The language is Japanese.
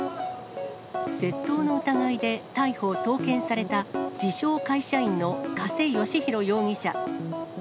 窃盗の疑いで逮捕・送検された、自称会社員の加瀬好弘容疑者。